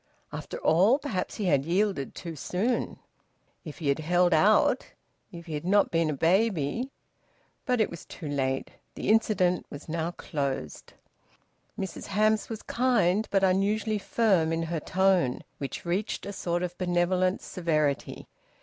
... After all perhaps he had yielded too soon! If he had held out... If he had not been a baby! ... But it was too late. The incident was now closed. Mrs Hamps was kind, but unusually firm in her tone; which reached a sort of benevolent severity.